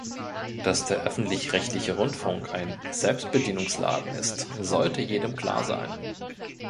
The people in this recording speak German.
Dass der öffentlich-rechtliche Rundfunk ein Selbstbedienungsladen ist, sollte jedem klar sein.